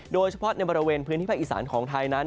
โดยเฉพาะในบริเวณพื้นที่ภาคอีสานของไทยนั้น